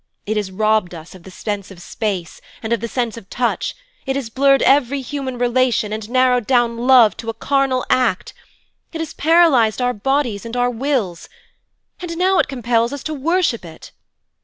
It has robbed us of the sense of space and of the sense of touch, it has blurred every human relation and narrowed down love to a carnal act, it has paralysed our bodies and our wills, and now it compels us to worship it.